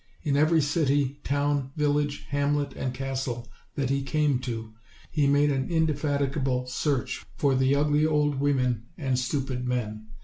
In every city, town, village, hamlet and castle that he came to, he made an indefatigable search for ugly old women and stupid men.